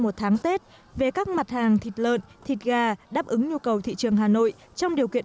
một tháng tết về các mặt hàng thịt lợn thịt gà đáp ứng nhu cầu thị trường hà nội trong điều kiện